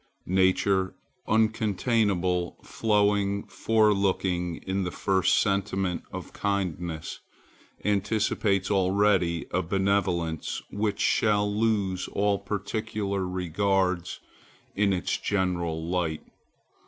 Nature, uncontainable, flowing, forelooking, in the first sentiment of kindness anticipates already a benevolence which shall lose all particular regards in its general light.